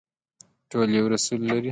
ټول یو رسول لري